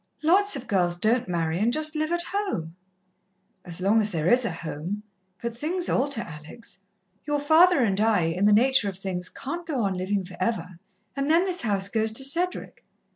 Lots of girls don't marry, and just live at home." "As long as there is a home. But things alter, Alex. Your father and I, in the nature of things, can't go on livin' for ever, and then this house goes to Cedric.